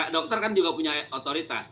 dokter kan juga punya otoritas